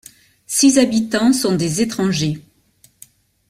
Six habitants sont des étrangers.